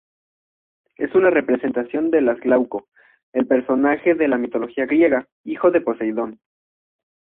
Es una representación de Glauco, el personaje de la mitología griega, hijo de Poseidón.